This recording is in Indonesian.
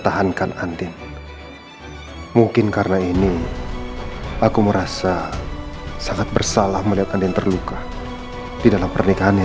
dan saya akan mencari istri saya kemana pun saya mau